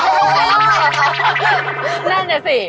นั่นแหละสิ